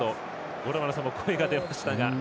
五郎丸さんも声が出ましたが。